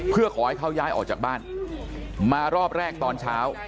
เพื่อขอให้เขาย้ายออกจากบ้านมารอบแรกตอนเช้า